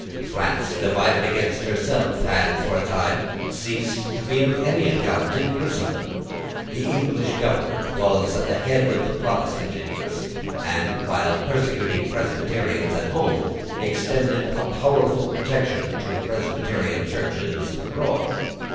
France divided against herself, had, for a time, ceased to be of any account in Christendom. The English Government was at the head of the Protestant interest, and, while persecuting Presbyterians at home, extended a powerful protection to Presbyterian Churches abroad.